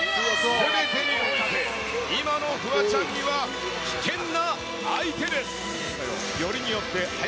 すべてにおいて、今のフワちゃんには危険な相手です。